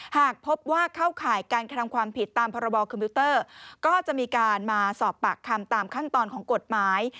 หากพบว่าเข้าข่ายการกำความผิดตามพคก็จะมีการมาสอบปากคำตามขั้นตอนของกฎหมาย